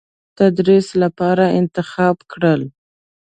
تدریس لپاره انتخاب کړل.